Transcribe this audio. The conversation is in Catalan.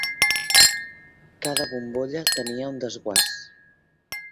Cada bombolla tenia un desguàs.